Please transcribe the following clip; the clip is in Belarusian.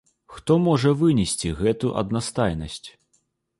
Хто можа вынесці гэту аднастайнасць?